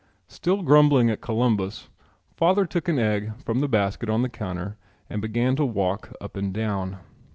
Still grumbling at Columbus, father took an egg from the basket on the counter and began to walk up and down.